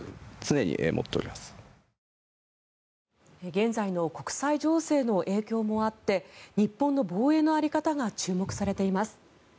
現在の国際情勢の影響もあって日本の防衛の在り方が注目されています。